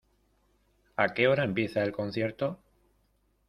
¿A qué hora empieza el concierto?